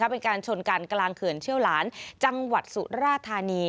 เป็นการชนกันกลางเขื่อนเชี่ยวหลานจังหวัดสุราธานี